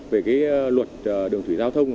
về cái luật đường thủy giao thông